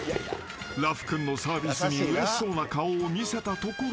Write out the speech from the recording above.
［ラフくんのサービスにうれしそうな顔を見せたところで］